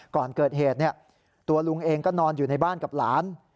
ก่อนเกิดเหตุตัวลุงเองก็นอนอยู่ในบ้านกับหลาน